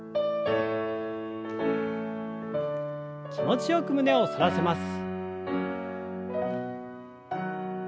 気持ちよく胸を反らせます。